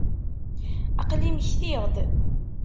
Aql-i mmektiɣ-d.